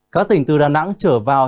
các tỉnh từ đà nẵng trở vào